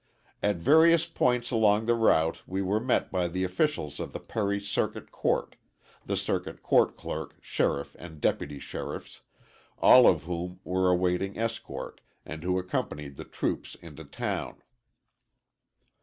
At various points along the route we were met by the officials of the Perry Circuit Court the circuit court clerk, sheriff and deputy sheriffs all of whom were awaiting escort, and who accompanied the troops into town.